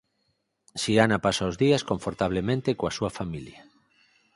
Xiana pasa os días confortablemente coa súa familia.